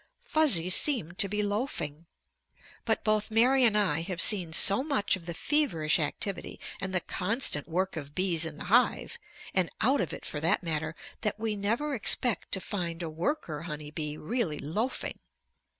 Fuzzy seemed to be loafing, but both Mary and I have seen so much of the feverish activity and the constant work of bees in the hive, and out of it for that matter, that we never expect to find a worker honey bee really loafing.